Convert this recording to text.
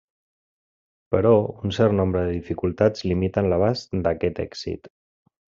Però un cert nombre de dificultats limiten l'abast d'aquest èxit.